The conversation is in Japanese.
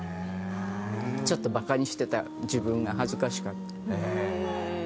ちょっとバカにしてた自分が恥ずかしかった。